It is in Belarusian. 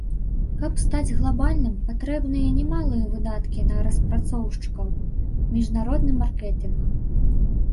Каб стаць глабальным, патрэбныя немалыя выдаткі на распрацоўшчыкаў, міжнародны маркетынг.